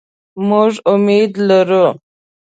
مونږ امید لرو